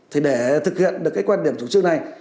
thì để thực hiện được cái quan điểm chủ trương này